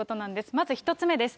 まず１つ目です。